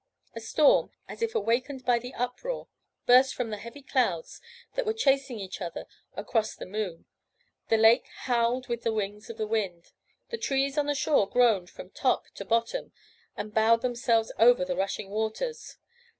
A storm, as if awakened by the uproar, burst from the heavy clouds that were chasing each other across the moon; the lake howled under the wings of the wind; the trees on the shore groaned from top to bottom, and bowed themselves over the rushing waters.